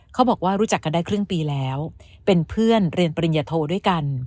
เขาบอกว่ารู้จักกันได้ครึ่งปีแล้วเป็นเพื่อนเรียนปริญญโทด้วยกัน